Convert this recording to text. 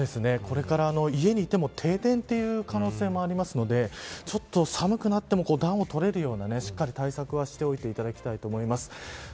これから家にいても停電という可能性もあるのでちょっと寒くなっても暖を取れるようなしっかり対策はしておいてほしいと思います。